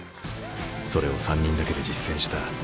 それを３人だけで実践した。